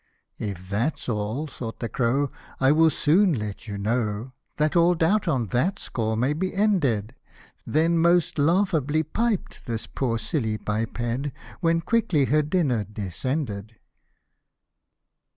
" If that's all," thought the crow, " I will soon let you know, That all doubt on that score may be ended ;" Then most laughably piped, this poor silly biped, When quickly her dinner descended